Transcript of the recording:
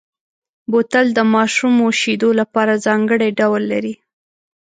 بوتل د ماشومو شیدو لپاره ځانګړی ډول لري.